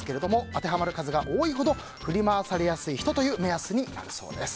当てはまる数が多いほど振り回されやすい人という目安になるそうです。